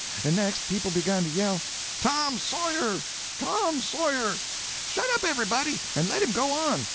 And next, people begun to yell: "Tom Sawyer! Tom Sawyer! Shut up everybody, and let him go on!